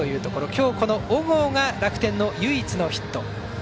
今日、この小郷が楽天の唯一のヒット。